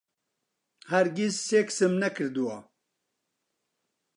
هەرگیز سێکسم نەکردووە.